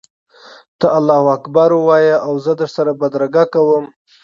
ته الله اکبر ووایه او زه در سره بدرګه کوم.